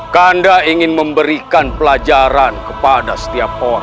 kanda ingin memberikan pelajaran kepada setiap orang